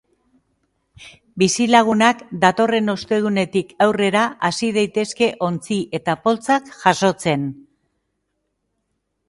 Bizilagunak datorren ostegunetik aurrera hasi daitezke ontzi eta poltsak jasotzen.